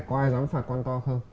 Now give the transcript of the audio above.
có ai dám phạt quan to không